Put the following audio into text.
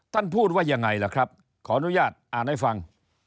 ท่านพูดว่ายังไงล่ะครับขออนุญาตอ่านให้ฟัง